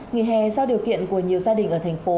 nghỉ hè do điều kiện của nhiều gia đình ở thành phố